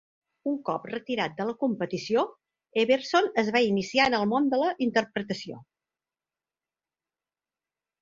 Un cop retirat de la competició, Everson es va iniciar en el món de la interpretació.